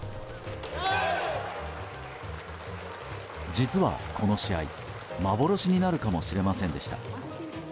実はこの試合幻になるかもしれませんでした。